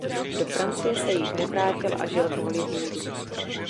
Do Francie se již nevrátil a žil v Hollywoodu.